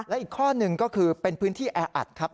และอีกข้อหนึ่งก็คือเป็นพื้นที่แออัดครับ